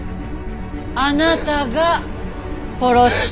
あなたが殺した。